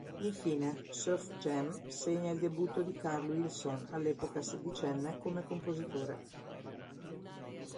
Infine, "Surf Jam" segna il debutto di Carl Wilson, all'epoca sedicenne, come compositore.